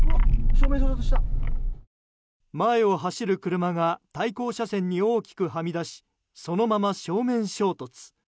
前を走る車が対向車線に大きくはみ出しそのまま正面衝突。